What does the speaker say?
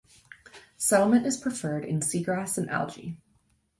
Settlement is preferred in seagrass and algae.